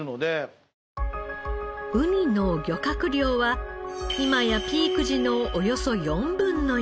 ウニの漁獲量は今やピーク時のおよそ４分の１。